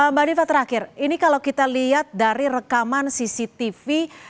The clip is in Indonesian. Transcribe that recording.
mbak diva terakhir ini kalau kita lihat dari rekaman cctv